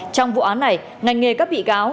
trong vụ án này ngành nghề các bị cáo